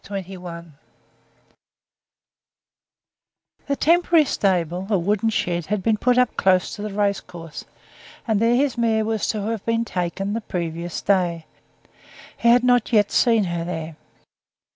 Chapter 21 The temporary stable, a wooden shed, had been put up close to the race course, and there his mare was to have been taken the previous day. He had not yet seen her there.